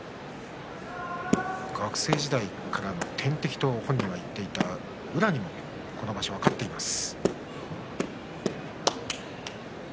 学生時代からの天敵と本人は言っていた宇良にもこの場所勝っています。